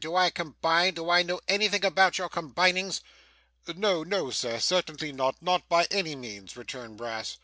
Do I combine? Do I know anything about your combinings?' 'No no, sir certainly not; not by any means,' returned Brass.